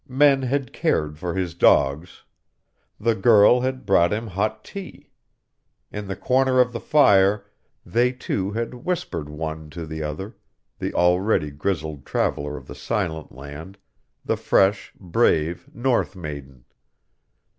Men had cared for his dogs. The girl had brought him hot tea. In the corner of the fire they two had whispered one to the other the already grizzled traveller of the silent land, the fresh, brave north maiden.